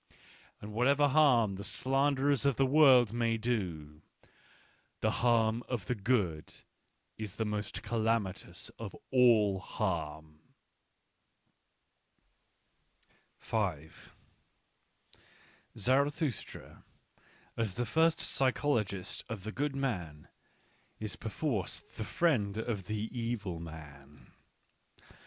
" And whatever harm the slanderers of the world may do, the harm of the good is the most calamitous of all harm? Digitized by Google WHY I AM A FATALITY 1 37 Zarathustra, as the first psychologist of the good man, is perforce the friend of the evil man.